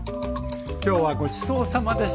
今日はごちそうさまでした。